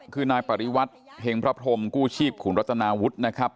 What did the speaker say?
คือนายปริวัติเห็งพระพรมกู้ชีพขุนรัตนาวุฒินะครับ